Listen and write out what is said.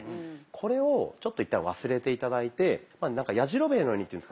これをちょっと一旦忘れて頂いてやじろべえのようにって言うんですかね